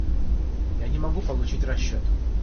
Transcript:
Я не могу получить расчет.